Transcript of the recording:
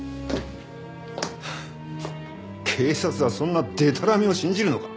警察はそんなでたらめを信じるのか？